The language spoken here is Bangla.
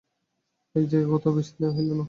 এক জায়গায় কোথাও বেশি দিন রহিল না।